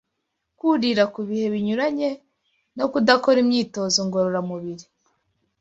kurira ku bihe binyuranye no kudakora imyitozo ngororamubiri